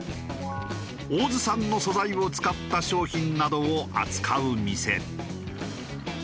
大洲産の素材を使った商品などを扱う店。